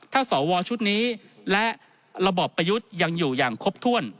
ถ้าสวชุดนี้และระบอบประยุทธ์ยังอยู่อย่างครบถ้วน